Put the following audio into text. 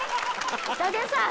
伊達さん！